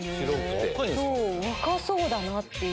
若そうだなって。